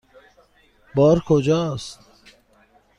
بار کجاست؟